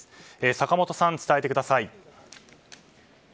坂元さん伝えてください。